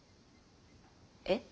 えっ？